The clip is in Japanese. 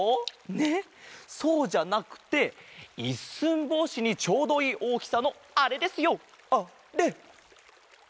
ねっそうじゃなくて一寸法師にちょうどいいおおきさのあれですよあれ！